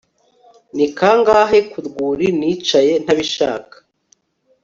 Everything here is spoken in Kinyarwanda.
ni kangahe ku rwuri nicaye ntabishaka